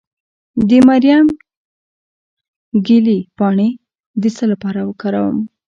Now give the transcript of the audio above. د مریم ګلي پاڼې د څه لپاره وکاروم؟